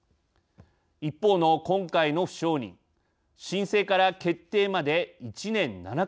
一方の今回の不承認申請から決定まで１年７か月かかっています。